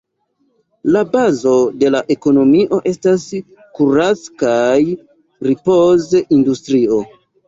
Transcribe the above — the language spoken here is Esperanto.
La bazo de la ekonomio estas kurac- kaj ripoz-industrio.